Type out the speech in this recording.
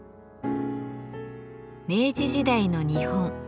明治時代の日本。